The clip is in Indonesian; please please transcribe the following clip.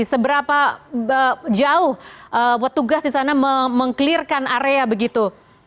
seberapa jauh petugas di sana meng clearkan area begitu